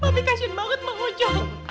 pak be kasihan banget bang ojo